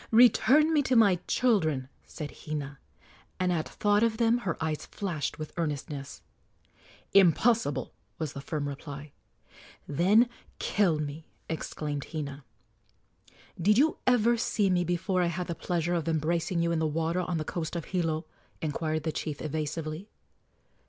"Return me to my children," said Hina; and at thought of them her eyes flashed with earnestness. "Impossible!" was the firm reply. "Then kill me!" exclaimed Hina. "Did you ever see me before I had the pleasure of embracing you in the water on the coast of Hilo?" inquired the chief, evasively.